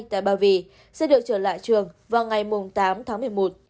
tại ba vì sẽ được trở lại trường vào ngày tám tháng một mươi một